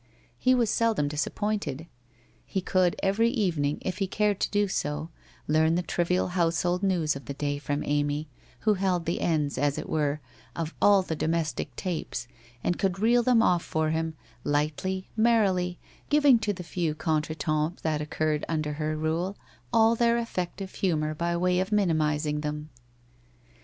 He was seldom disap pointed. He could, every evening, if he cared to do so, learn the trivial household news of the day from Amy, who held the ends, as it were, of all the domestic tapes, and could reel them off for him, lightly, merrily, giving to the few contretemps that occurred under her rule, all their effect of humour by way of minimizing them.